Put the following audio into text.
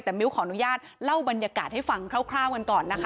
แต่มิ้วขออนุญาตเล่าบรรยากาศให้ฟังคร่าวกันก่อนนะคะ